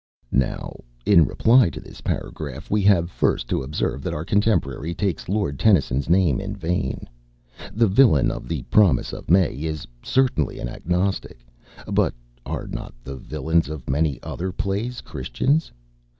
Now, in reply to this paragraph, we have first to observe that our contemporary takes Lord Tennyson's name in vain. The villain of the "Promise of May" is certainly an Agnostic, but are not the villains of many other plays Christians?